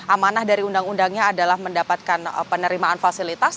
amanah dari undang undangnya adalah mendapatkan penerimaan fasilitas